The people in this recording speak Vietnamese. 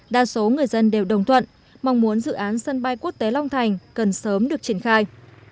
đa số người dân đều đồng thuận mong muốn dự án sân bay quốc tế long thành cần sớm được triển khai